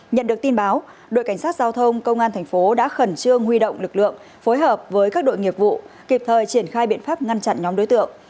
nhận được tin báo đội cảnh sát giao thông công an thành phố đã khẩn trương huy động lực lượng phối hợp với các đội nghiệp vụ kịp thời triển khai biện pháp ngăn chặn nhóm đối tượng